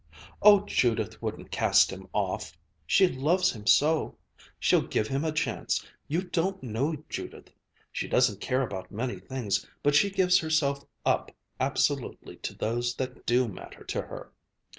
"Oh, Judith wouldn't cast him off! She loves him so! She'll give him a chance. You don't know Judith. She doesn't care about many things, but she gives herself up absolutely to those that do matter to her.